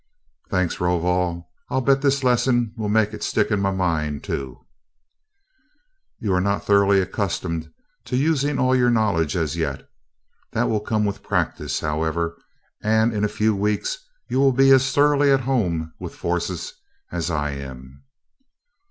"Thanks, Rovol I'll bet this lesson will make it stick in my mind, too." "You are not thoroughly accustomed to using all your knowledge as yet. That will come with practice, however, and in a few weeks you will be as thoroughly at home with forces as I am."